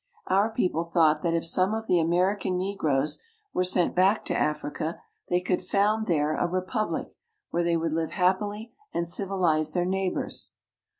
Our people thought that if some of the American negroes were sent back to Africa, they could found there a republic where they would live happily and civilize their neighbors.